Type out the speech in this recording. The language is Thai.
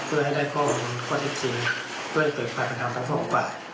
เพื่อให้ได้ข้อเท็จจริงเพื่อให้เปิดพัฒนธรรมทั้งของฝ่าย